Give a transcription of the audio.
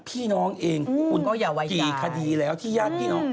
ก็ต้องดูให้ละเอียดจริง